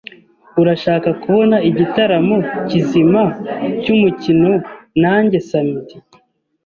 Urashaka kubona igitaramo kizima cyumukino nanjye samedi?